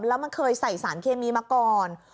แล้วมันเคยใส่สารเคมีมาก่อน